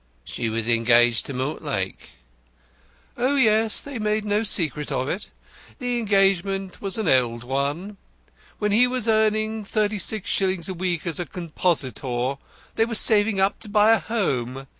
She was engaged to Mortlake?" "Oh, yes! They made no secret of it. The engagement was an old one. When he was earning 36s. a week as a compositor, they were saving up to buy a home.